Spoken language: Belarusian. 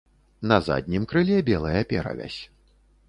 На заднім крыле белая перавязь.